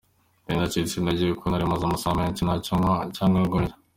Nari nacitse intege kuko nari maze amasaha menshi ntacyo nywa cyangwa ngo ndye.